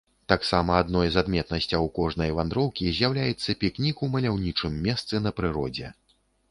Таксама адной з адметнасцяў кожнай вандроўкі з'яўляецца пікнік у маляўнічым месцы на прыродзе.